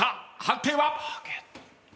判定は？